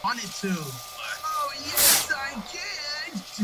ორი ასეთივე სარკმელი სამხრეთის, ხოლო თითო ჩრდილოეთ და დასავლეთ კედლებშია.